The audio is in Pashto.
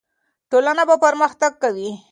ټولنه به پرمختګ کوي.